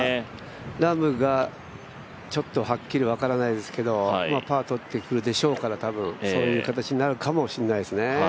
ラームがちょっとはっきり分からないですけれども、パーを取ってくるでしょうから、多分、そういう形になるかもしれないですね。